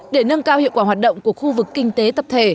để nâng cao hiệu quả hoạt động của khu vực kinh tế tập thể